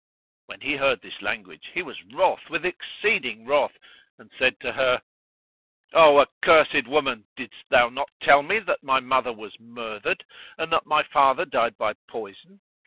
When he heard this language, he was wroth with exceeding wrath and said to her, "O accursed woman, didst thou not tell me that my mother was murthered and that my father died by poison?